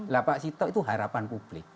lepas itu harapan publik